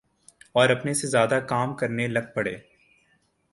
اوراپنے سے زیادہ کام کرنے لگ پڑیں۔